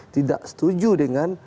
tidak setuju dengan